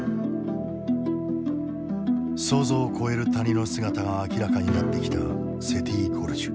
想像を超える谷の姿が明らかになってきたセティ・ゴルジュ。